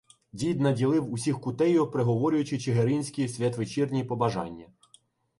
Дід наділив усіх кутею, приговорюючи чигиринські святвечірні побажання.